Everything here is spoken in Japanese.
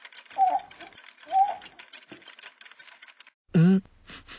うん？